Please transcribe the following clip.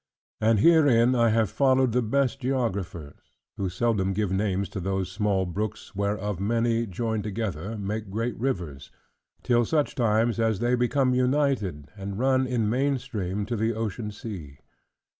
And herein I have followed the best geographers: who seldom give names to those small brooks, whereof many, joined together, make great rivers: till such times as they become united, and run in main stream to the ocean sea.